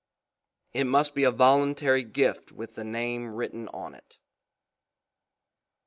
It must be a voluntary gift with the name written on it.